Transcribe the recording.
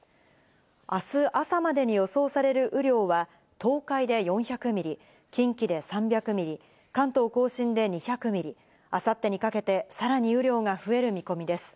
あす朝までに予想される雨量は東海で４００ミリ、近畿で３００ミリ、関東甲信で２００ミリ、あさってにかけてさらに雨量が増える見込みです。